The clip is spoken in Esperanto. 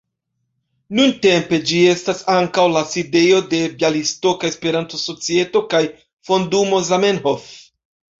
Nuntempe ĝi estas ankaŭ la sidejo de Bjalistoka Esperanto-Societo kaj Fondumo Zamenhof.